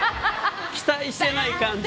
期待してない感じ。